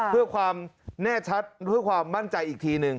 เพื่อความแน่ชัดเพื่อความมั่นใจอีกทีหนึ่ง